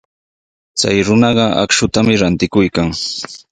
Chay runaqa akshutami rantikuykan.